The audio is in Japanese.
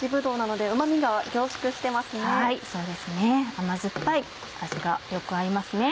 甘酸っぱい味がよく合います。